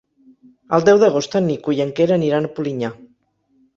El deu d'agost en Nico i en Quer aniran a Polinyà.